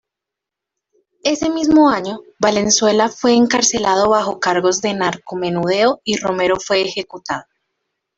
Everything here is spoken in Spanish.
Ese mismo año, Valenzuela fue encarcelado bajó cargos de narco-menudeo y Romero fue ejecutado.